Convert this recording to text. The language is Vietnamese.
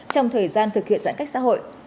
trong thời gian thực hiện giãn cách xã hội